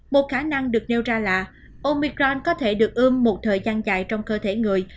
một khả năng được nêu ra là omicron có thể được ươm một thời gian dài trong cơ thể người